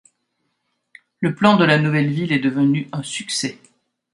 Le plan de la nouvelle ville est devenu un succès.